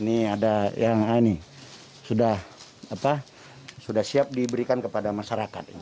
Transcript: ini sudah siap diberikan kepada masyarakat